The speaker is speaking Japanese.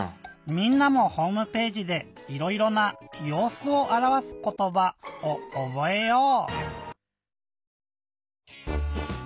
みんなもホームページでいろいろな「ようすをあらわすことば」をおぼえよう！